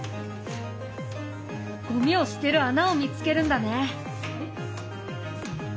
ゴミを捨てる穴を見つけるんだね。